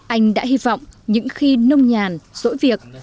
anh đã hy vọng những khi nông nhàn rỗi việc